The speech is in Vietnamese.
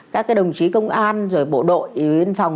các đồng chí công an rồi bộ đội biên phòng